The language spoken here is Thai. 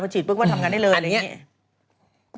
ฉีดปุ๊บว่าทำงานได้เลยอะไรอย่างนี้